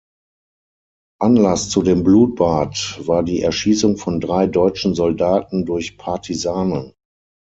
Anlass zu dem Blutbad war die Erschießung von drei deutschen Soldaten durch Partisanen.